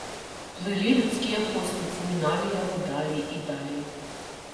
Плылі людскія постаці, міналі яго, далей і далей.